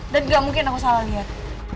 dan gak mungkin aku salah lihat